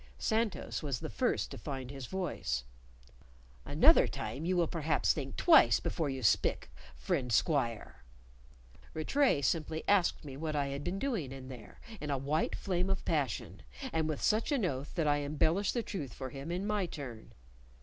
Santos was the first to find his voice. "Another time you will perhaps think twice before you spik, friend squire." Rattray simply asked me what I had been doing in there, in a white flame of passion, and with such an oath that I embellished the truth for him in my turn.